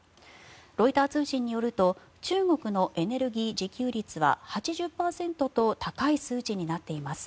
ロイター通信によると中国のエネルギー自給率は８０％と高い数値になっています。